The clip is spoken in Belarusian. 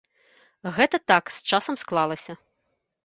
Гэта так з часам склалася.